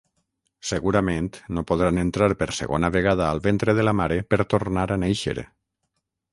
Segurament, no podran entrar per segona vegada al ventre de la mare per tornar a néixer!